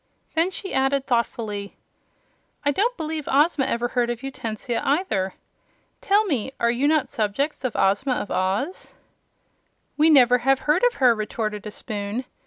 Then she added thoughtfully, "I don't believe Ozma ever heard of Utensia, either. Tell me, are you not subjects of Ozma of Oz?" "We have never heard of her," retorted a spoon.